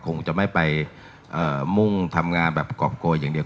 คงจะไม่ไปมุ่งทำงานแบบกรอบโกยอย่างเดียว